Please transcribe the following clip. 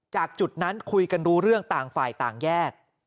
จากจุดนั้นคุยกันรู้เรื่องต่างฝ่ายต่างแยก